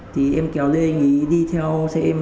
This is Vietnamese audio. thì em kéo lên anh ấy đi theo xe em